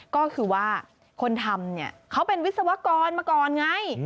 ก็คือว่าคนทำเนี่ยเขาเป็นวิศวกรมาก่อนไง